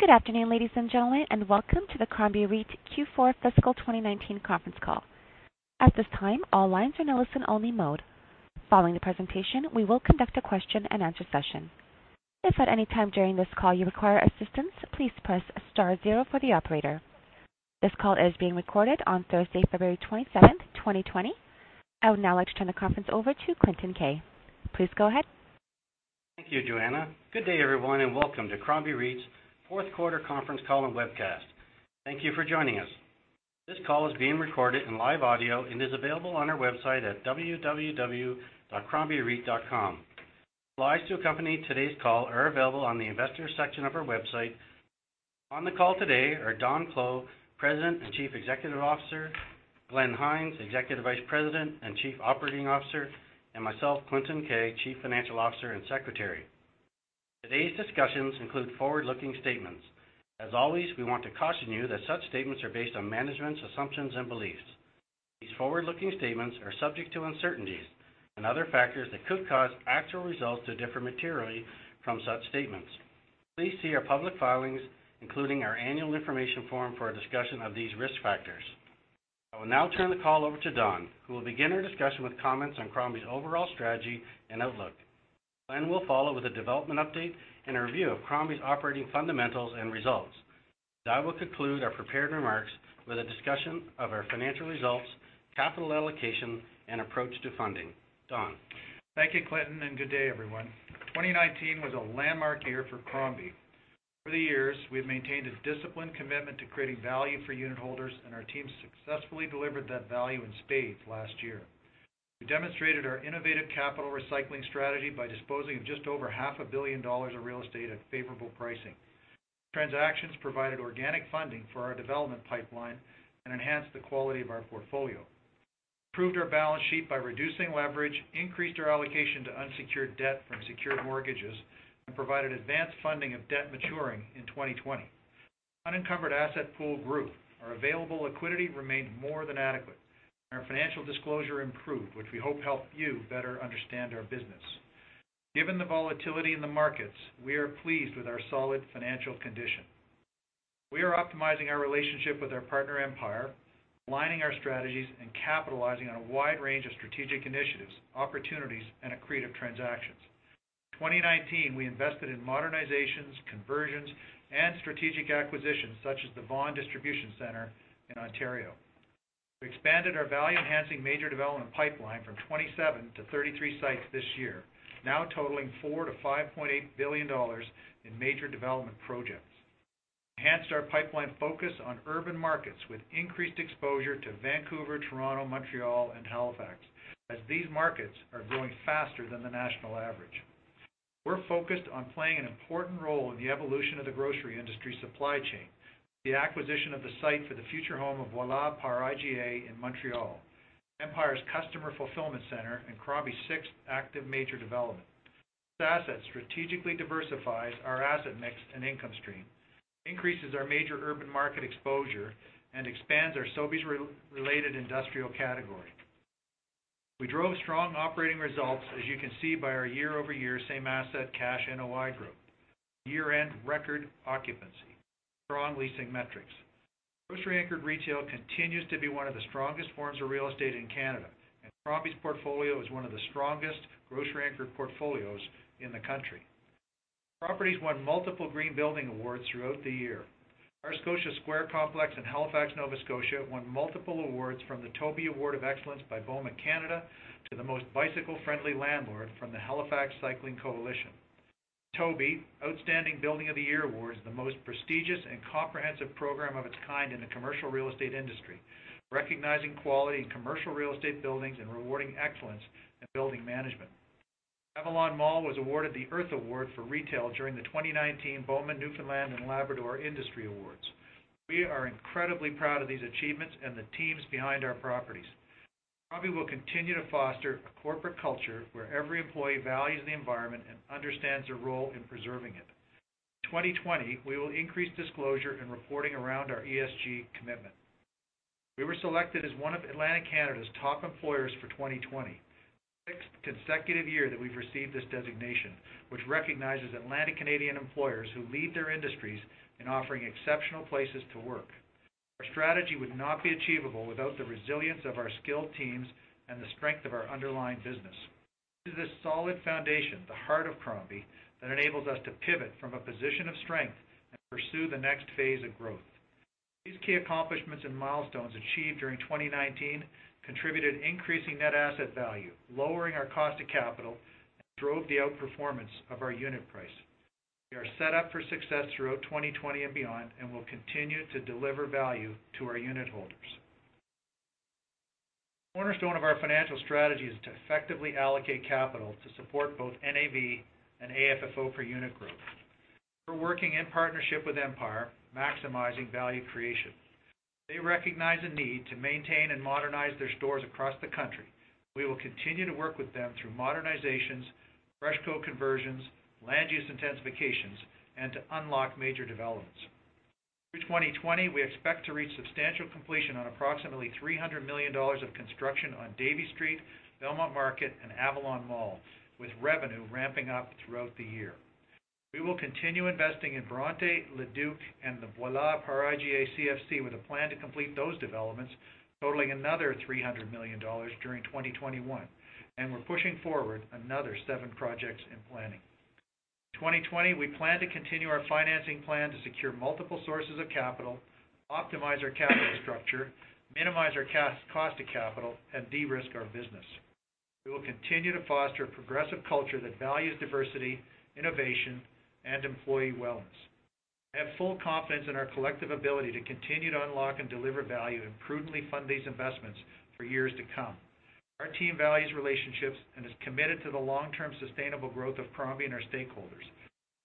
Good afternoon, ladies and gentlemen, and welcome to the Crombie REIT Q4 Fiscal 2019 conference call. At this time, all lines are in listen-only mode. Following the presentation, we will conduct a question-and-answer session. If at any time during this call you require assistance, please press star zero for the operator. This call is being recorded on Thursday, February 27, 2020. I would now like to turn the conference over to Clinton Keay. Please go ahead. Thank you, Joanna. Welcome to Crombie REIT's fourth quarter conference call and webcast. Thank you for joining us. This call is being recorded in live audio and is available on our website at www.crombiereit.com. Slides to accompany today's call are available on the Investors section of our website. On the call today are Don Clow, President and Chief Executive Officer, Glenn Hynes, Executive Vice President and Chief Operating Officer, and myself, Clinton Keay, Chief Financial Officer and Secretary. Today's discussions include forward-looking statements. As always, we want to caution you that such statements are based on management's assumptions and beliefs. These forward-looking statements are subject to uncertainties and other factors that could cause actual results to differ materially from such statements. Please see our public filings, including our annual information form, for a discussion of these risk factors. I will now turn the call over to Don, who will begin our discussion with comments on Crombie's overall strategy and outlook. Glenn will follow with a development update and a review of Crombie's operating fundamentals and results. I will conclude our prepared remarks with a discussion of our financial results, capital allocation, and approach to funding. Don. Thank you, Clinton. Good day, everyone. 2019 was a landmark year for Crombie. Over the years, we've maintained a disciplined commitment to creating value for unitholders, and our team successfully delivered that value in spades last year. We demonstrated our innovative capital recycling strategy by disposing of just over half a billion dollars of real estate at favorable pricing. Transactions provided organic funding for our development pipeline and enhanced the quality of our portfolio, improved our balance sheet by reducing leverage, increased our allocation to unsecured debt from secured mortgages, and provided advanced funding of debt maturing in 2020. Our unencumbered asset pool grew. Our available liquidity remained more than adequate, and our financial disclosure improved, which we hope helped you better understand our business. Given the volatility in the markets, we are pleased with our solid financial condition. We are optimizing our relationship with our partner, Empire, aligning our strategies, and capitalizing on a wide range of strategic initiatives, opportunities, and accretive transactions. In 2019, we invested in modernizations, conversions, and strategic acquisitions, such as the Vaughan Distribution Center in Ontario. We expanded our value-enhancing major development pipeline from 27 to 33 sites this year, now totaling 4 billion-5.8 billion dollars in major development projects. Enhanced our pipeline focus on urban markets with increased exposure to Vancouver, Toronto, Montreal, and Halifax, as these markets are growing faster than the national average. We're focused on playing an important role in the evolution of the grocery industry supply chain. The acquisition of the site for the future home of Voilà par IGA in Montreal, Empire's customer fulfillment center and Crombie's sixth active major development. This asset strategically diversifies our asset mix and income stream, increases our major urban market exposure, and expands our Sobeys-related industrial category. We drove strong operating results, as you can see by our year-over-year same asset cash NOI growth. Year-end record occupancy. Strong leasing metrics. Grocery-anchored retail continues to be one of the strongest forms of real estate in Canada, and Crombie's portfolio is one of the strongest grocery-anchored portfolios in the country. Properties won multiple green building awards throughout the year. Our Scotia Square complex in Halifax, Nova Scotia, won multiple awards from the TOBY Award of Excellence by BOMA Canada to the Most Bicycle Friendly Landlord from the Halifax Cycling Coalition. The TOBY, Outstanding Building of the Year Award, is the most prestigious and comprehensive program of its kind in the commercial real estate industry, recognizing quality in commercial real estate buildings and rewarding excellence in building management. Avalon Mall was awarded the Earth Award for retail during the 2019 BOMA Newfoundland and Labrador Industry Awards. We are incredibly proud of these achievements and the teams behind our properties. Crombie will continue to foster a corporate culture where every employee values the environment and understands their role in preserving it. In 2020, we will increase disclosure and reporting around our ESG commitment. We were selected as one of Atlantic Canada's Top Employers for 2020. The sixth consecutive year that we've received this designation, which recognizes Atlantic Canadian employers who lead their industries in offering exceptional places to work. Our strategy would not be achievable without the resilience of our skilled teams and the strength of our underlying business. It is this solid foundation, the heart of Crombie, that enables us to pivot from a position of strength and pursue the next phase of growth. These key accomplishments and milestones achieved during 2019 contributed increasing net asset value, lowering our cost of capital, and drove the outperformance of our unit price. We are set up for success throughout 2020 and beyond and will continue to deliver value to our unitholders. A cornerstone of our financial strategy is to effectively allocate capital to support both NAV and AFFO per unit growth. We're working in partnership with Empire, maximizing value creation. They recognize a need to maintain and modernize their stores across the country. We will continue to work with them through modernizations, FreshCo conversions, land use intensifications, and to unlock major developments. Through 2020, we expect to reach substantial completion on approximately 300 million dollars of construction on Davie Street, Belmont Market, and Avalon Mall, with revenue ramping up throughout the year. We will continue investing in Bronte, Le Duke, and the Voilà par IGA CFC, with a plan to complete those developments totaling another 300 million dollars during 2021. We're pushing forward another seven projects in planning. In 2020, we plan to continue our financing plan to secure multiple sources of capital, optimize our capital structure, minimize our cost of capital, and de-risk our business. We will continue to foster a progressive culture that values diversity, innovation, and employee wellness. I have full confidence in our collective ability to continue to unlock and deliver value, and prudently fund these investments for years to come. Our team values relationships and is committed to the long-term sustainable growth of Crombie and our stakeholders.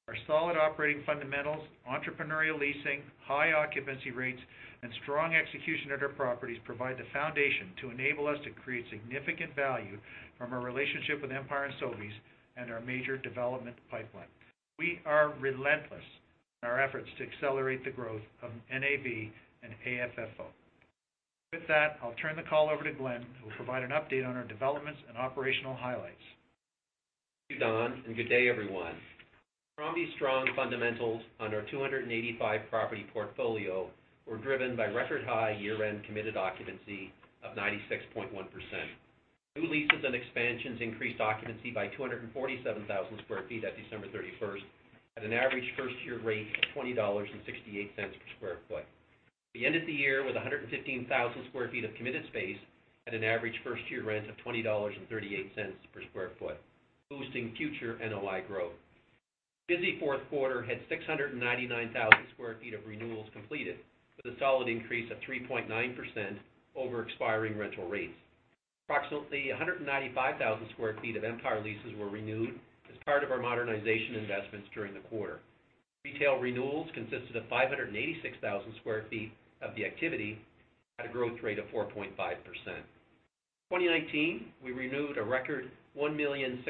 Our solid operating fundamentals, entrepreneurial leasing, high occupancy rates, and strong execution at our properties provide the foundation to enable us to create significant value from our relationship with Empire and Sobeys, and our major development pipeline. We are relentless in our efforts to accelerate the growth of NAV and AFFO. With that, I'll turn the call over to Glenn, who will provide an update on our developments and operational highlights. Thank you, Don, and good day, everyone. Crombie's strong fundamentals on our 285-property portfolio were driven by record-high year-end committed occupancy of 96.1%. New leases and expansions increased occupancy by 247,000 sq ft at December 31st, at an average first-year rate of 20.68 dollars per sq ft. We ended the year with 115,000 sq ft of committed space at an average first-year rent of 20.38 dollars per sq ft, boosting future NOI growth. A busy fourth quarter had 699,000 sq ft of renewals completed, with a solid increase of 3.9% over expiring rental rates. Approximately 195,000 sq ft of Empire leases were renewed as part of our modernization investments during the quarter. Retail renewals consisted of 586,000 sq ft of the activity at a growth rate of 4.5%. In 2019, we renewed a record 1,626,000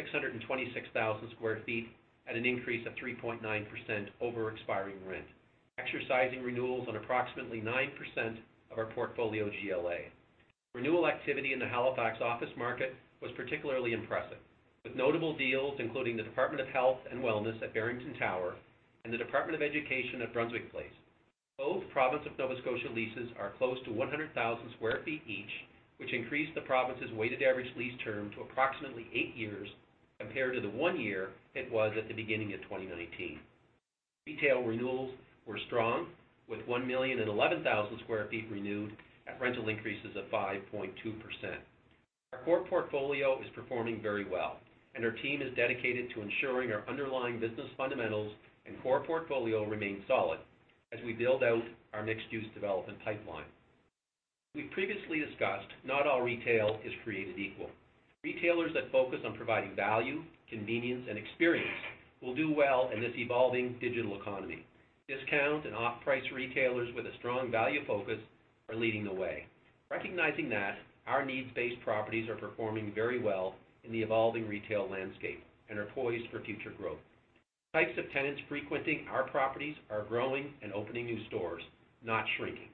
sq ft at an increase of 3.9% over expiring rent, exercising renewals on approximately 9% of our portfolio GLA. Renewal activity in the Halifax office market was particularly impressive, with notable deals including the Department of Health and Wellness at Barrington Tower and the Department of Education at Brunswick Place. Both Province of Nova Scotia leases are close to 100,000 sq ft each, which increased the province's weighted average lease term to approximately eight years, compared to the one year it was at the beginning of 2019. Retail renewals were strong with 1,011,000 sq ft renewed at rental increases of 5.2%. Our core portfolio is performing very well, and our team is dedicated to ensuring our underlying business fundamentals and core portfolio remain solid as we build out our mixed-use development pipeline. As we've previously discussed, not all retail is created equal. Retailers that focus on providing value, convenience, and experience will do well in this evolving digital economy. Discount and off-price retailers with a strong value focus are leading the way. Recognizing that, our needs-based properties are performing very well in the evolving retail landscape and are poised for future growth. The types of tenants frequenting our properties are growing and opening new stores, not shrinking.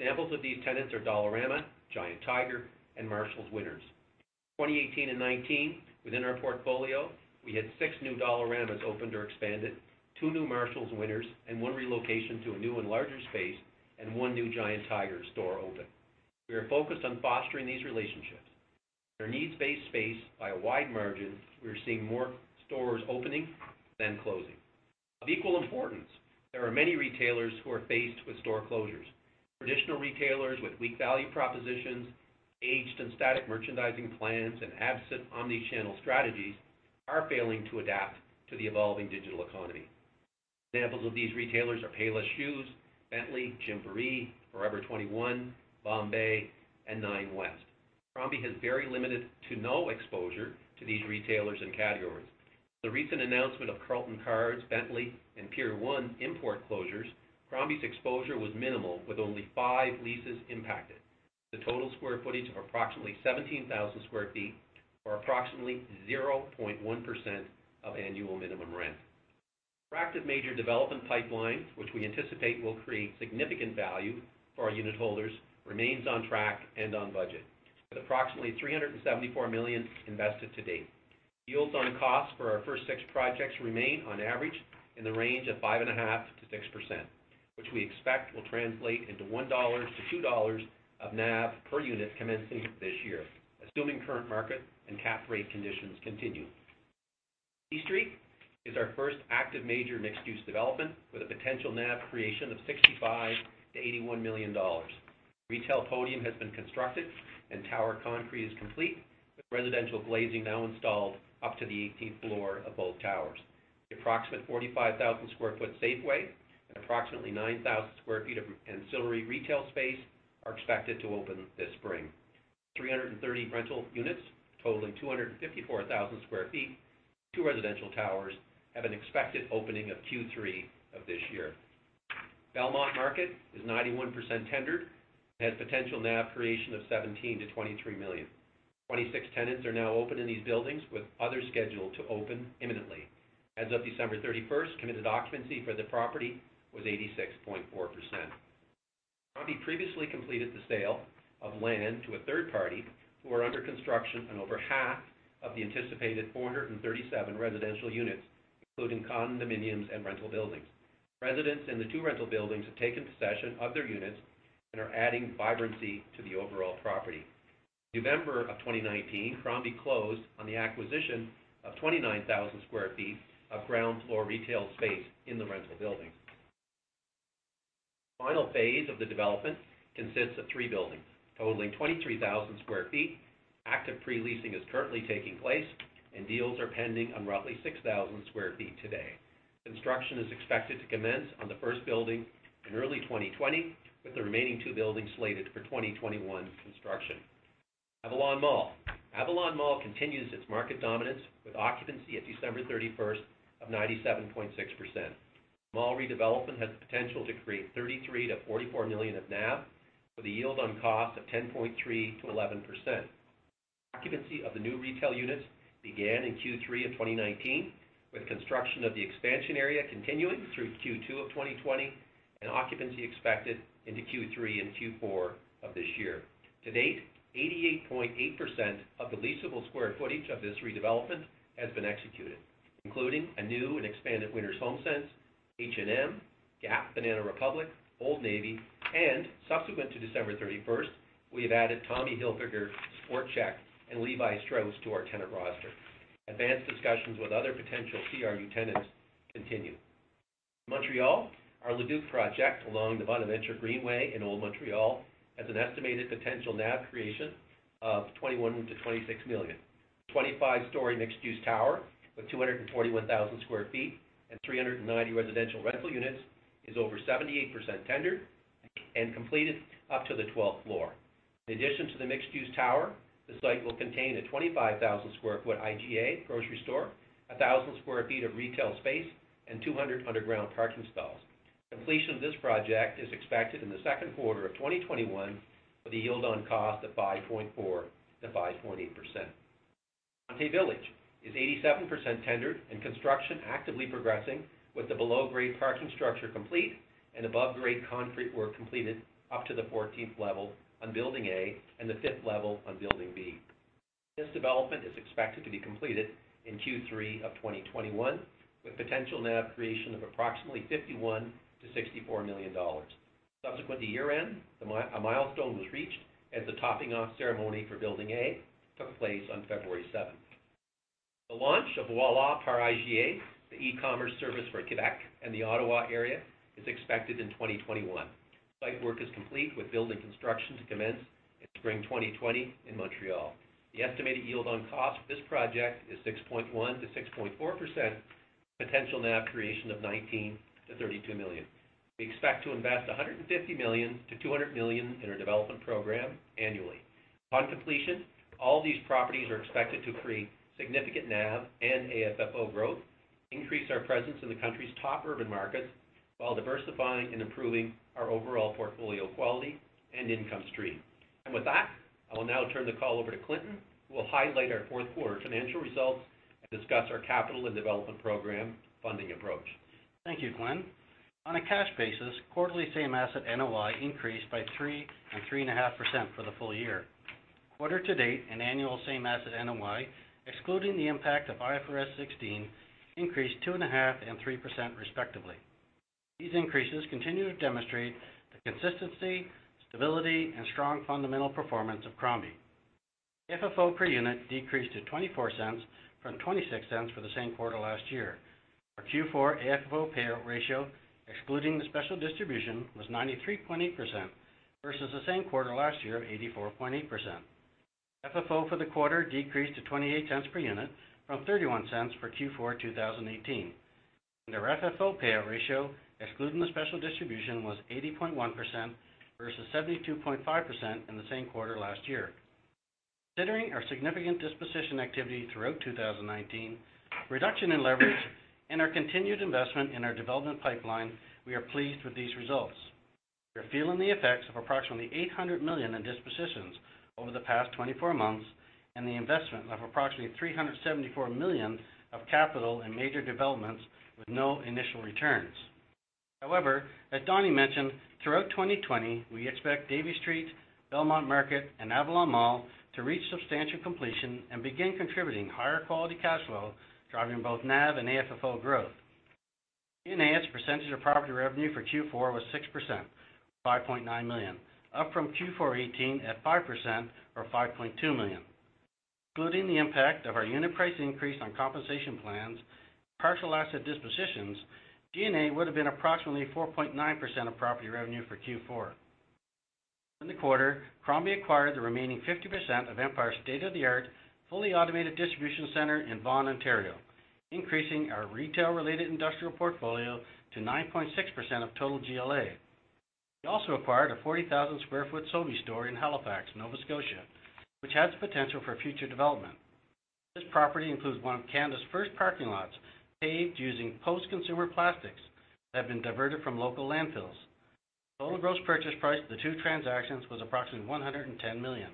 Examples of these tenants are Dollarama, Giant Tiger, and Marshalls/Winners. In 2018 and 2019, within our portfolio, we had six new Dollaramas opened or expanded, two new Marshalls/Winners, and one relocation to a new and larger space, and one new Giant Tiger store open. We are focused on fostering these relationships. In our needs-based space, by a wide margin, we are seeing more stores opening than closing. Of equal importance, there are many retailers who are faced with store closures. Traditional retailers with weak value propositions, aged and static merchandising plans, and absent omnichannel strategies are failing to adapt to the evolving digital economy. Examples of these retailers are Payless ShoeSource, Bentley, Gymboree, Forever 21, Bombay, and Nine West. Crombie has very limited to no exposure to these retailers and categories. The recent announcement of Carlton Cards, Bentley, and Pier 1 Imports closures, Crombie's exposure was minimal, with only five leases impacted. The total square footage of approximately 17,000 sq ft, or approximately 0.1% of annual minimum rent. Our active major development pipeline, which we anticipate will create significant value for our unitholders, remains on track and on budget, with approximately 374 million invested to date. Yields on costs for our first six projects remain, on average, in the range of 5.5%-6%, which we expect will translate into 1-2 dollars of NAV per unit commencing this year, assuming current market and cap rate conditions continue. Davie Street is our first active major mixed-use development with a potential NAV creation of 65 million-81 million dollars. The retail podium has been constructed and tower concrete is complete, with residential glazing now installed up to the 18th floor of both towers. The approximate 45,000 sq ft Safeway and approximately 9,000 sq ft of ancillary retail space are expected to open this spring. 330 rental units totaling 254,000 sq ft in two residential towers have an expected opening of Q3 of this year. Belmont Market is 91% tendered and has potential NAV creation of 17 million-23 million. 26 tenants are now open in these buildings, with others scheduled to open imminently. As of December 31st, committed occupancy for the property was 86.4%. Crombie previously completed the sale of land to a third party, who are under construction on over half of the anticipated 437 residential units, including condominiums and rental buildings. Residents in the two rental buildings have taken possession of their units and are adding vibrancy to the overall property. November of 2019, Crombie closed on the acquisition of 29,000 sq ft of ground-floor retail space in the rental building. Final phase of the development consists of three buildings totaling 23,000 sq ft. Active pre-leasing is currently taking place, deals are pending on roughly 6,000 sq ft today. Construction is expected to commence on the first building in early 2020, with the remaining two buildings slated for 2021 construction. Avalon Mall. Avalon Mall continues its market dominance with occupancy at December 31st of 97.6%. Mall redevelopment has the potential to create 33 million-44 million of NAV, with a yield on cost of 10.3%-11%. Occupancy of the new retail units began in Q3 of 2019, with construction of the expansion area continuing through Q2 of 2020, and occupancy expected into Q3 and Q4 of this year. To date, 88.8% of the leasable square footage of this redevelopment has been executed, including a new and expanded Winners HomeSense, H&M, Gap, Banana Republic, Old Navy, and subsequent to December 31st, we have added Tommy Hilfiger, Sport Chek, and Levi Strauss to our tenant roster. Advanced discussions with other potential CRU tenants continue. Montreal. Our Le Duke project along the Bonaventure Greenway in Old Montreal has an estimated potential NAV creation of 21 million-26 million. A 25-story mixed-use tower with 221,000 sq ft and 390 residential rental units is over 78% tendered and completed up to the 12th floor. In addition to the mixed-use tower, the site will contain a 25,000 sq ft IGA grocery store, 1,000 sq ft of retail space, and 200 underground parking stalls. Completion of this project is expected in the second quarter of 2021, with a yield on cost of 5.4%-5.8%. Bronte Village is 87% tendered and construction actively progressing, with the below-grade parking structure complete and above-grade concrete work completed up to the 14th level on building A and the 5th level on building B. This development is expected to be completed in Q3 of 2021, with potential NAV creation of approximately 51 million-64 million dollars. Subsequent to year-end, a milestone was reached as the topping off ceremony for building A took place on February 7th. The launch of Voilà par IGA, the e-commerce service for Quebec and the Ottawa area, is expected in 2021. Site work is complete, with building construction to commence in spring 2020 in Montreal. The estimated yield on cost for this project is 6.1%-6.4%, potential NAV creation of 19 million-32 million. We expect to invest 150 million-200 million in our development program annually. On completion, all these properties are expected to create significant NAV and AFFO growth, increase our presence in the country's top urban markets, while diversifying and improving our overall portfolio quality and income stream. With that, I will now turn the call over to Clinton, who will highlight our fourth quarter financial results and discuss our capital and development program funding approach. Thank you, Glenn. On a cash basis, quarterly same asset NOI increased by 3% and 3.5% for the full year. Quarter to date, an annual same asset NOI, excluding the impact of IFRS 16, increased 2.5% and 3%, respectively. These increases continue to demonstrate the consistency, stability, and strong fundamental performance of Crombie. FFO per unit decreased to 0.28 from 0.26 for the same quarter last year. Our Q4 AFFO payout ratio, excluding the special distribution, was 93.8% versus the same quarter last year of 84.8%. FFO for the quarter decreased to 0.28 per unit from 0.31 for Q4 2018. Their FFO payout ratio, excluding the special distribution, was 80.1% versus 72.5% in the same quarter last year. Considering our significant disposition activity throughout 2019, reduction in leverage, and our continued investment in our development pipeline, we are pleased with these results. We are feeling the effects of approximately 800 million in dispositions over the past 24 months and the investment of approximately 374 million of capital in major developments with no initial returns. As Donnie mentioned, throughout 2020, we expect Davie Street, Belmont Market, and Avalon Mall to reach substantial completion and begin contributing higher quality cash flow, driving both NAV and AFFO growth. G&A as a percentage of property revenue for Q4 was 6%, 5.9 million, up from Q4 2018 at 5%, or 5.2 million. Including the impact of our unit price increase on compensation plans, partial asset dispositions, G&A would've been approximately 4.9% of property revenue for Q4. In the quarter, Crombie acquired the remaining 50% of Empire's state-of-the-art, fully automated distribution center in Vaughan, Ontario, increasing our retail-related industrial portfolio to 9.6% of total GLA. We also acquired a 40,000 sq ft Sobeys store in Halifax, Nova Scotia, which has potential for future development. This property includes one of Canada's first parking lots, paved using post-consumer plastics that have been diverted from local landfills. Total gross purchase price of the two transactions was approximately 110 million.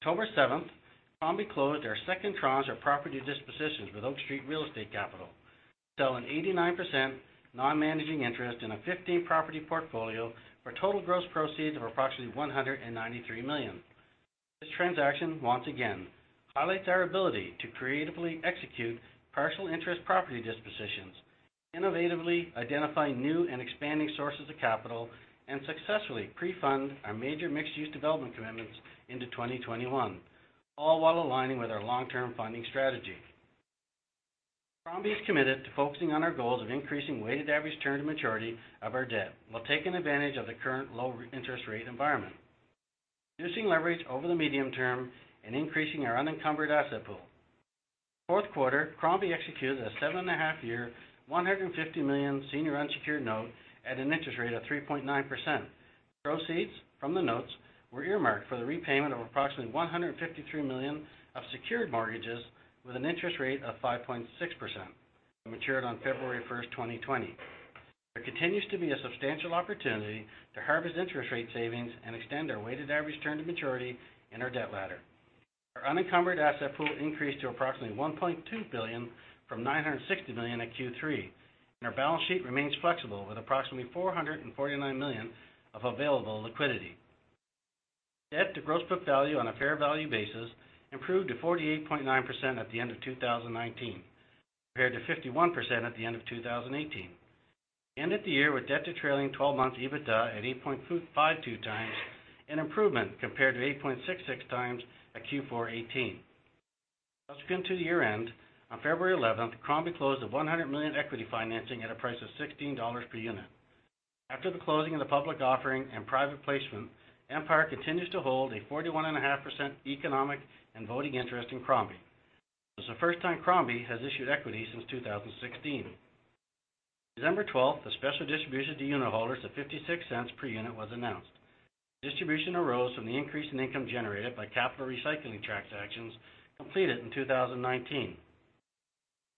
October 7th, Crombie closed our second tranche of property dispositions with Oak Street Real Estate Capital, selling 89% non-managing interest in a 15-property portfolio for total gross proceeds of approximately 193 million. This transaction, once again, highlights our ability to creatively execute partial interest property dispositions, innovatively identify new and expanding sources of capital, and successfully pre-fund our major mixed-use development commitments into 2021, all while aligning with our long-term funding strategy. Crombie is committed to focusing on our goals of increasing weighted average term to maturity of our debt while taking advantage of the current low interest rate environment, reducing leverage over the medium term, and increasing our unencumbered asset pool. Fourth quarter, Crombie executed a seven-and-a-half year, 150 million senior unsecured note at an interest rate of 3.9%. Proceeds from the notes were earmarked for the repayment of approximately 153 million of secured mortgages with an interest rate of 5.6%, that matured on February 1st, 2020. There continues to be a substantial opportunity to harvest interest rate savings and extend our weighted average term to maturity in our debt ladder. Our unencumbered asset pool increased to approximately 1.2 billion from 960 million at Q3, and our balance sheet remains flexible with approximately 449 million of available liquidity. Debt to gross book value on a fair value basis improved to 48.9% at the end of 2019 compared to 51% at the end of 2018. We end at the year with debt to trailing 12-month EBITDA at 8.52x, an improvement compared to 8.66x at Q4 2018. Subsequent to the year-end, on February 11th, Crombie closed a 100 million equity financing at a price of 16 dollars per unit. After the closing of the public offering and private placement, Empire continues to hold a 41.5% economic and voting interest in Crombie. It was the first time Crombie has issued equity since 2016. December 12th, a special distribution to unitholders of 0.56 per unit was announced. Distribution arose from the increase in income generated by capital recycling transactions completed in 2019.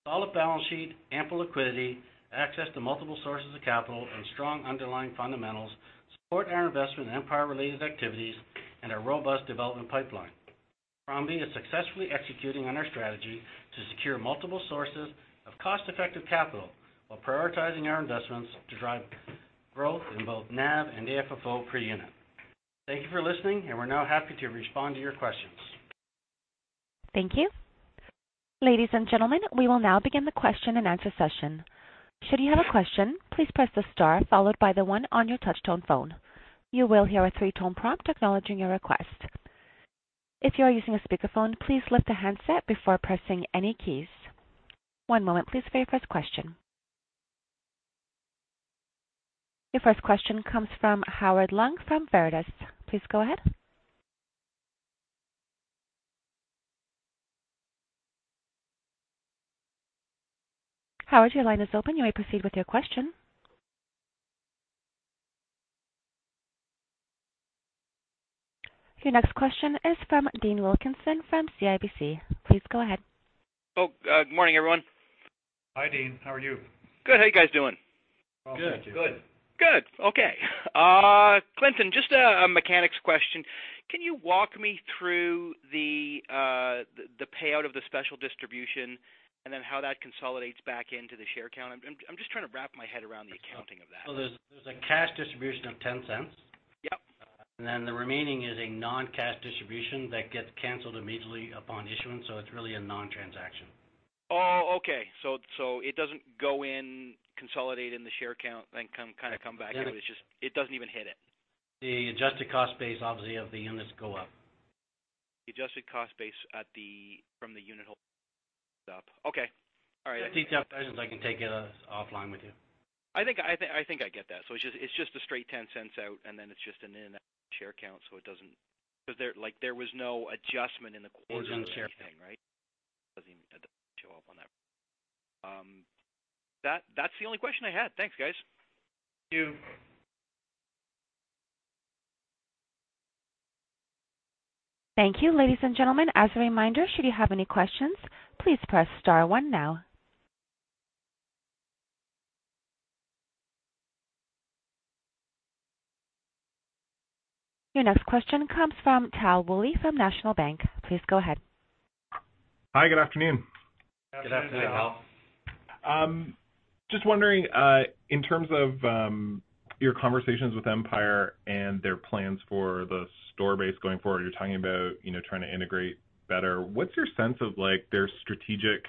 Solid balance sheet, ample liquidity, access to multiple sources of capital, and strong underlying fundamentals support our investment in Empire-related activities and our robust development pipeline. Crombie is successfully executing on our strategy to secure multiple sources of cost-effective capital while prioritizing our investments to drive growth in both NAV and AFFO per unit. Thank you for listening, and we're now happy to respond to your questions. Thank you. Ladies and gentlemen, we will now begin the question-and-answer session. Should you have a question, please press star one on your touchtone phone. You will hear a three-tone prompt acknowledging your request. If you are using a speakerphone, please lift the handset before pressing any keys. One moment please for your first question. Your first question comes from Howard Leung from Veritas Investment Research. Please go ahead. Howard, your line is open. You may proceed with your question. Your next question is from Dean Wilkinson from CIBC. Please go ahead. Good morning, everyone. Hi, Dean. How are you? Good. How you guys doing? Good. Good. Okay. Clinton, just a mechanics question. Can you walk me through the payout of the special distribution, and then how that consolidates back into the share count? I'm just trying to wrap my head around the accounting of that. There's a cash distribution of 0.10. Yep. The remaining is a non-cash distribution that gets canceled immediately upon issuance, so it's really a non-transaction. Oh, okay. It doesn't go in, consolidate in the share count, then kind of come back out. It doesn't even hit it. The adjusted cost base, obviously, of the units go up. The adjusted cost base from the unitholder up. Okay. All right. Any details, I can take it offline with you. I get that. It's just a straight 0.10 out, and then it's just an in and out of share count, so there was no adjustment in the quarters or anything, right? There was nothing. It doesn't even show up on that. That's the only question I had. Thanks, guys. Thank you. Thank you. Ladies and gentlemen, as a reminder, should you have any questions, please press star one now. Your next question comes from Tal Woolley from National Bank. Please go ahead. Hi, good afternoon. Good afternoon, Tal. Just wondering, in terms of your conversations with Empire and their plans for the store base going forward, you're talking about trying to integrate better. What's your sense of their strategic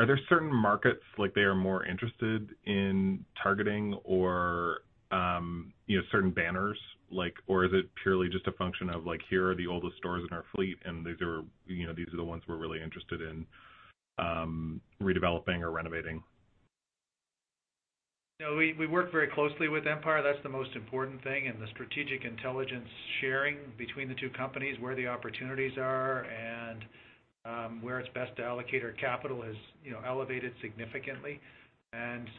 Are there certain markets they are more interested in targeting or certain banners? Is it purely just a function of like, here are the oldest stores in our fleet and these are the ones we're really interested in redeveloping or renovating? No, we work very closely with Empire. That's the most important thing, and the strategic intelligence sharing between the two companies, where the opportunities are. Where it's best to allocate our capital has elevated significantly. In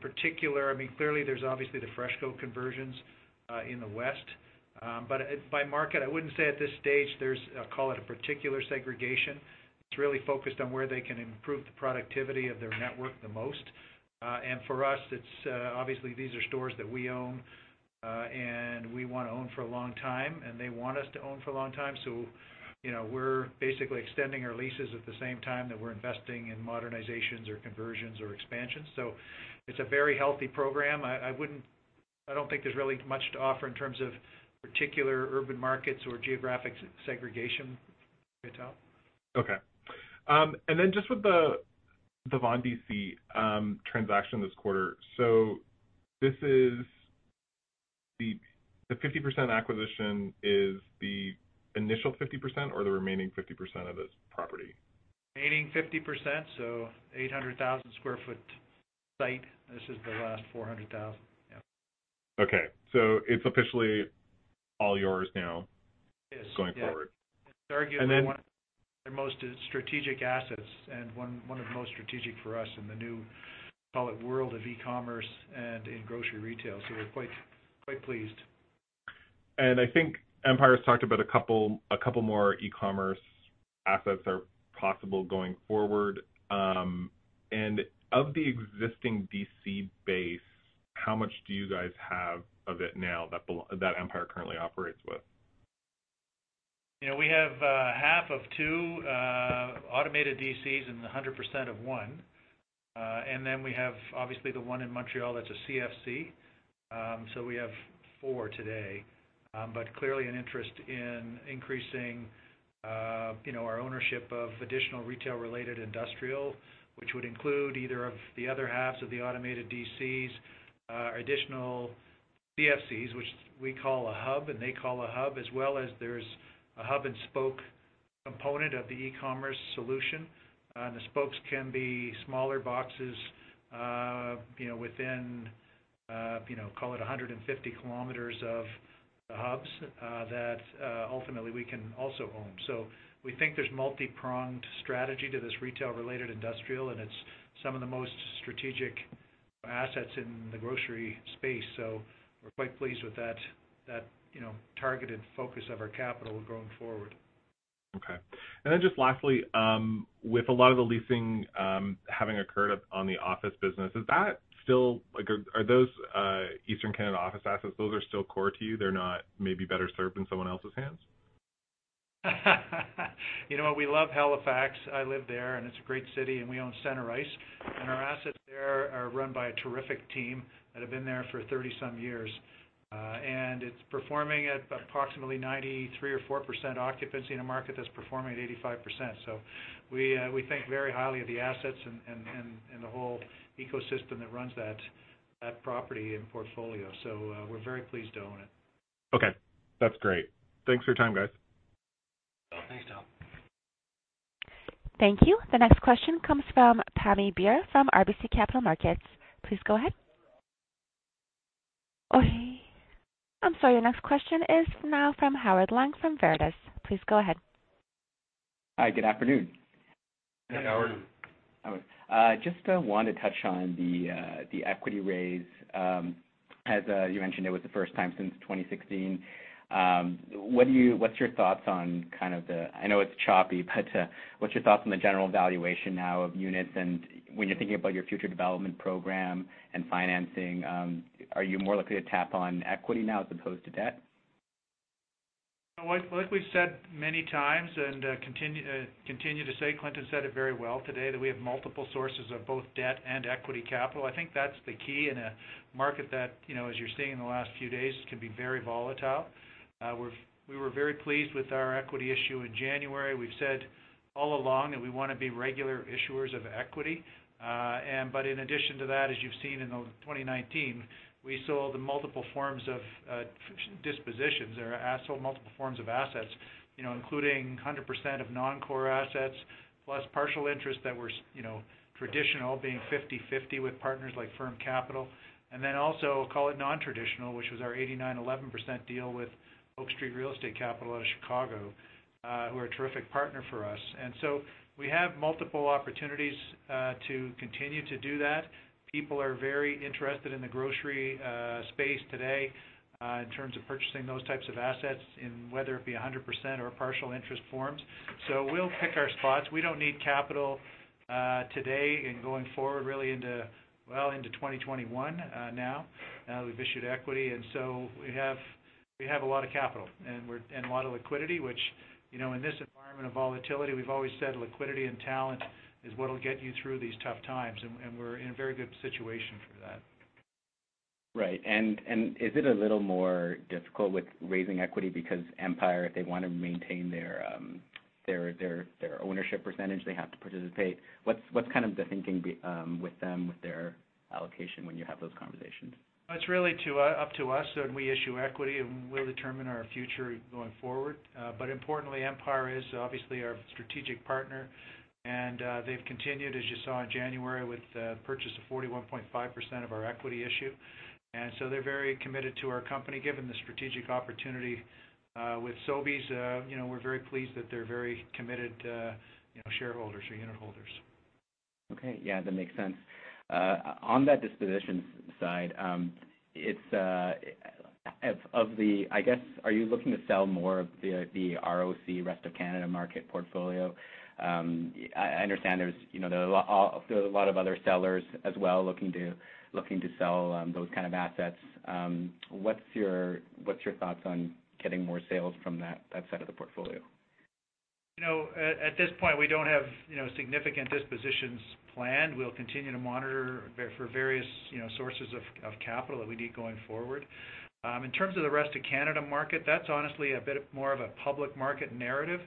particular, clearly there's obviously the FreshCo conversions in the West. By market, I wouldn't say at this stage there's, call it, a particular segregation. It's really focused on where they can improve the productivity of their network the most. For us, obviously these are stores that we own and we want to own for a long time, and they want us to own for a long time. We're basically extending our leases at the same time that we're investing in modernizations or conversions or expansions. It's a very healthy program. I don't think there's really much to offer in terms of particular urban markets or geographic segregation, I'd say. Okay. Just with the Vaughan DC transaction this quarter, the 50% acquisition is the initial 50% or the remaining 50% of this property? Remaining 50%, so 800,000 sq ft site. This is the last 400,000. Yeah. Okay. It's officially all yours now. It is, yeah. Going forward. It's arguably one of their most strategic assets and one of the most strategic for us in the new, call it, world of e-commerce and in grocery retail. We're quite pleased. I think Empire's talked about a couple more e-commerce assets are possible going forward. Of the existing DC base, how much do you guys have of it now that Empire currently operates with? We have half of two automated DCs and 100% of one. Then we have, obviously, the one in Montreal that's a CFC. We have four today. Clearly an interest in increasing our ownership of additional retail-related industrial, which would include either of the other halves of the automated DCs, additional CFCs, which we call a hub and they call a hub, as well as there's a hub and spoke component of the e-commerce solution. The spokes can be smaller boxes within, call it, 150 km of the hubs that ultimately we can also own. We think there's multi-pronged strategy to this retail-related industrial, and it's some of the most strategic assets in the grocery space. We're quite pleased with that targeted focus of our capital going forward. Okay. Just lastly, with a lot of the leasing having occurred on the office business, are those Eastern Canada office assets, those are still core to you? They're not maybe better served in someone else's hands? We love Halifax. I live there, it's a great city, and we own Centre Ice. Our assets there are run by a terrific team that have been there for 30-some years. It's performing at approximately 93% or 4% occupancy in a market that's performing at 85%. We think very highly of the assets and the whole ecosystem that runs that property and portfolio. We're very pleased to own it. Okay. That's great. Thanks for your time, guys. Thanks, Tal. Thank you. The next question comes from Pammi Bir from RBC Capital Markets. Please go ahead. I'm sorry, your next question is now from Howard Leung from Veritas Investment Research. Please go ahead. Hi, good afternoon. Good afternoon. Hi. Just want to touch on the equity raise. As you mentioned, it was the first time since 2016. What's your thoughts on kind of the, I know it's choppy, but what's your thoughts on the general valuation now of units? When you're thinking about your future development program and financing, are you more likely to tap on equity now as opposed to debt? Like we've said many times, and continue to say, Clinton said it very well today, that we have multiple sources of both debt and equity capital. I think that's the key in a market that, as you're seeing in the last few days, can be very volatile. We were very pleased with our equity issue in January. We've said all along that we want to be regular issuers of equity. In addition to that, as you've seen in 2019, we sold multiple forms of dispositions or sold multiple forms of assets, including 100% of non-core assets, plus partial interest that were traditional, being 50/50 with partners like Firm Capital. Also, call it, non-traditional, which was our 89/11% deal with Oak Street Real Estate Capital out of Chicago, who are a terrific partner for us. We have multiple opportunities to continue to do that. People are very interested in the grocery space today in terms of purchasing those types of assets, in whether it be 100% or partial interest forms. We'll pick our spots. We don't need capital today and going forward really into, well, into 2021 now. We've issued equity, and so we have a lot of capital and a lot of liquidity, which, in this environment of volatility, we've always said liquidity and talent is what'll get you through these tough times, and we're in a very good situation for that. Right. Is it a little more difficult with raising equity because Empire, if they want to maintain their ownership percentage, they have to participate. What's kind of the thinking with them, with their allocation when you have those conversations? It's really up to us when we issue equity, and we'll determine our future going forward. Importantly, Empire is obviously our strategic partner, and they've continued, as you saw in January, with the purchase of 41.5% of our equity issue. They're very committed to our company, given the strategic opportunity with Sobeys. We're very pleased that they're very committed shareholders or unit holders. Okay. Yeah, that makes sense. On that disposition side, I guess, are you looking to sell more of the ROC, Rest of Canada market portfolio? I understand there's a lot of other sellers as well looking to sell those kind of assets. What's your thoughts on getting more sales from that side of the portfolio? At this point, we don't have significant dispositions planned. We'll continue to monitor for various sources of capital that we need going forward. In terms of the Rest of Canada market, that's honestly a bit more of a public market narrative.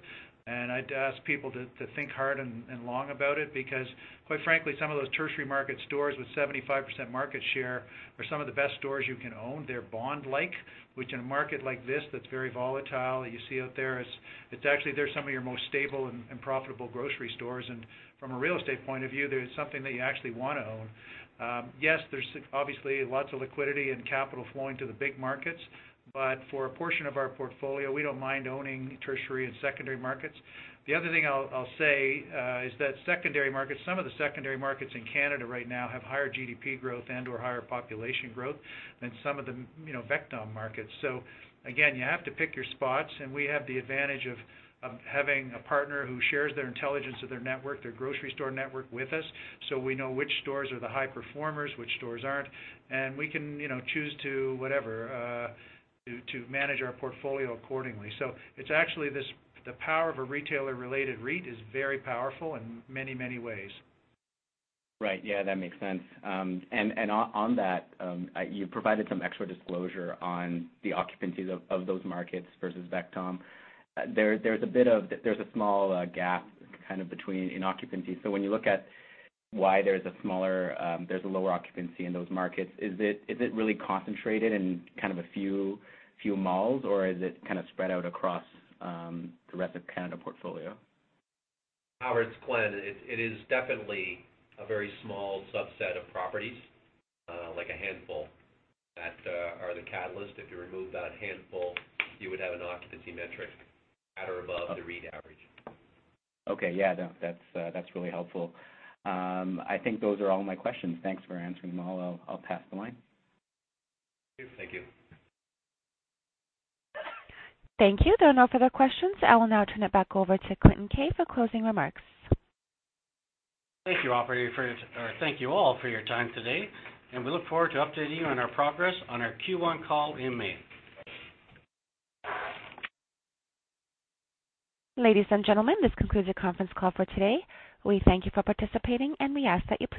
I'd ask people to think hard and long about it, because quite frankly, some of those tertiary market stores with 75% market share are some of the best stores you can own. They're bond-like, which in a market like this that's very volatile that you see out there, they're some of your most stable and profitable grocery stores. From a real estate point of view, they're something that you actually want to own. Yes, there's obviously lots of liquidity and capital flowing to the big markets. For a portion of our portfolio, we don't mind owning tertiary and secondary markets. The other thing I'll say is that secondary markets, some of the secondary markets in Canada right now have higher GDP growth and/or higher population growth than some of the VECTOM markets. Again, you have to pick your spots, and we have the advantage of having a partner who shares their intelligence of their network, their grocery store network, with us, so we know which stores are the high performers, which stores aren't, and we can choose to manage our portfolio accordingly. It's actually the power of a retailer-related REIT is very powerful in many, many ways. Right. Yeah, that makes sense. On that, you provided some extra disclosure on the occupancies of those markets versus VECTOM. There's a small gap between in occupancy. When you look at why there's a lower occupancy in those markets, is it really concentrated in kind of a few malls, or is it kind of spread out across the Rest of Canada portfolio? Howard, it's Glenn. It is definitely a very small subset of properties, like a handful, that are the catalyst. If you remove that handful, you would have an occupancy metric at or above the REIT average. Okay. Yeah, that's really helpful. I think those are all my questions. Thanks for answering them all. I'll pass the line. Thank you. Thank you. There are no further questions. I will now turn it back over to Clinton Keay for closing remarks. Thank you all for your time today, and we look forward to updating you on our progress on our Q1 call in May. Ladies and gentlemen, this concludes the conference call for today. We thank you for participating, and we ask that you.